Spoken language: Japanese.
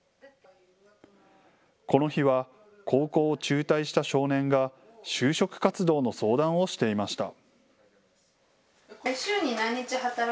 この日は高校を中退した少年が就職活動の相談をしていました。